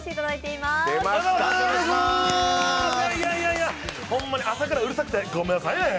いやいや、ほんまに朝からうるさくてごめんなさいね。